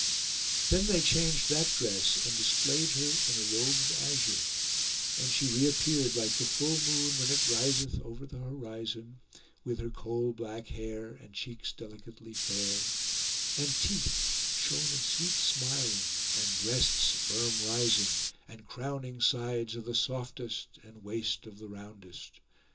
Then they changed that dress and displayed her in a robe of azure; and she reappeared like the full moon when it riseth over the horizon, with her coal black hair and cheeks delicately fair; and teeth shown in sweet smiling and breasts firm rising and crowning sides of the softest and waist of the roundest.